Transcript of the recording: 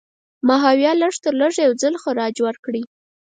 ماهویه لږترلږه یو ځل خراج ورکړی.